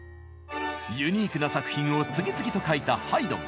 ユニークな作品を次々と書いたハイドン。